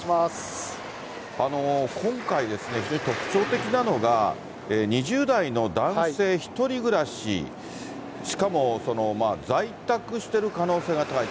今回、非常に特徴的なのが、２０代の男性１人暮らし、しかも在宅してる可能性が高い。